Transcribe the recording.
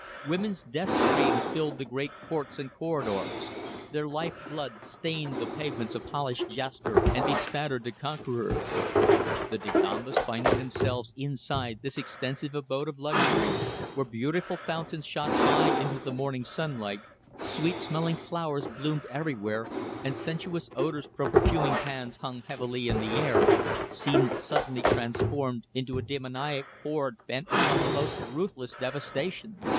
Women's death screams filled the great courts and corridors; their life blood stained the pavements of polished jasper and bespattered the conquerors. The Dagombas, finding themselves inside this extensive abode of luxury, where beautiful fountains shot high into the morning sunlight, sweet smelling flowers bloomed everywhere and sensuous odours from perfuming pans hung heavily in the air, seemed suddenly transformed into a demoniac horde bent upon the most ruthless devastation.